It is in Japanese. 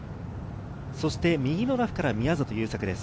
そして右のラフから宮里優作です。